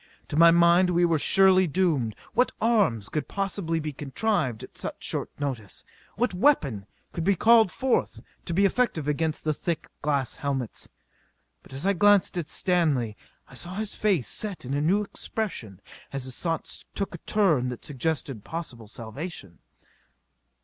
To my mind we were surely doomed. What arms could possibly be contrived at such short notice? What weapon could be called forth to be effective against the thick glass helmets? But as I glanced at Stanley I saw his face set in a new expression as his thoughts took a turn that suggested possible salvation.